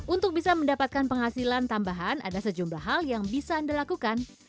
untuk bisa mendapatkan penghasilan tambahan ada sejumlah hal yang bisa anda lakukan